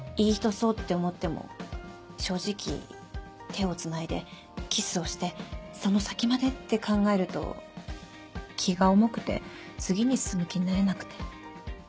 そうって思っても正直手をつないでキスをしてその先までって考えると気が重くて次に進む気になれなくて。